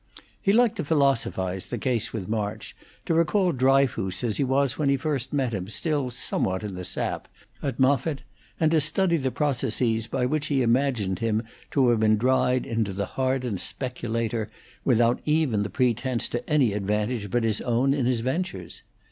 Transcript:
He liked to philosophize the case with March, to recall Dryfoos as he was when he first met him still somewhat in the sap, at Moffitt, and to study the processes by which he imagined him to have dried into the hardened speculator, without even the pretence to any advantage but his own in his ventures.